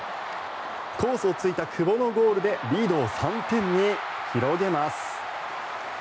コースを突いた久保のゴールでリードを３点に広げます。